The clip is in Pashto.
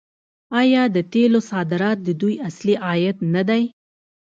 آیا د تیلو صادرات د دوی اصلي عاید نه دی؟